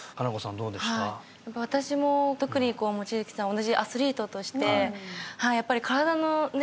はい私も特にこう望月さん同じアスリートとしてはいやっぱり身体のね